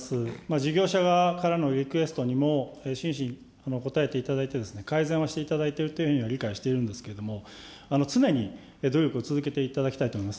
事業者側からのリクエストにも真摯に答えていただいて、改善はしていただいているというふうには理解しているんですけれども、常に努力を続けていただきたいと思います。